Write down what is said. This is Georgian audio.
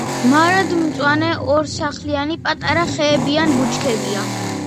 მარადმწვანე ორსახლიანი პატარა ხეები ან ბუჩქებია.